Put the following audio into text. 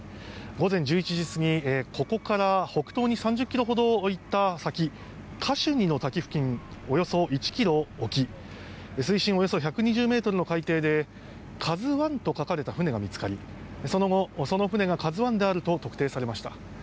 午前１１時過ぎ、ここから北東に３０ｋｍほど行った先カシュニの滝付近およそ１ｋｍ沖水深およそ１２０ｍの海底で「ＫＡＺＵ１」と書かれた船が見つかりその後、その船が「ＫＡＺＵ１」であると特定されました。